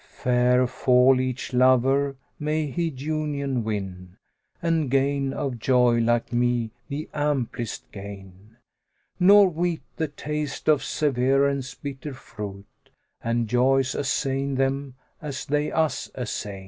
Fair fall each lover, may he union win * And gain of joy like me the amplest gain; Nor weet the taste of severance' bitter fruit * And joys assain them as they us assain!"